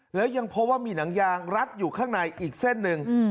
แล้วยังพบว่ามีหนังยางรัดอยู่ข้างในอีกเส้นหนึ่ง